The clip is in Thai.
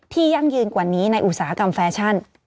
ยั่งยืนกว่านี้ในอุตสาหกรรมแฟชั่น